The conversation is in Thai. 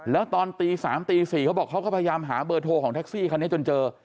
แล้วตอนตี๓ตี๔เขาบอกเขาก็พยายามหาเบอร์โทรของแท็กซี่คันนี้จนเจอ